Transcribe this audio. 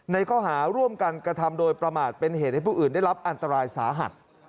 ข้อหาร่วมกันกระทำโดยประมาทเป็นเหตุให้ผู้อื่นได้รับอันตรายสาหัส